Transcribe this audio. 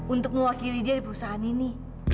untuk mewakili dia di perusahaan ini